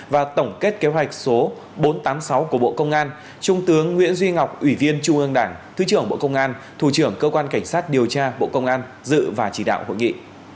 và tổng kết kế hoạch số bốn trăm tám mươi sáu của bộ công an trung tướng nguyễn duy ngọc ủy viên trung ương đảng thứ trưởng bộ công an thủ trưởng cơ quan cảnh sát điều tra bộ công an dự và chỉ đạo hội nghị